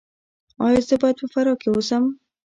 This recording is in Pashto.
ایا زه باید په فراه کې اوسم؟